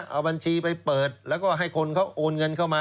เอาบัญชีไปเปิดแล้วก็ให้คนเขาโอนเงินเข้ามา